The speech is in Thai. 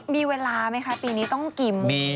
มีเวลาไหมคะปีนี้ต้องกิน